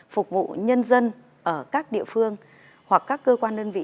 phục vụ nhân dân ở các địa phương hoặc các cơ quan đơn vị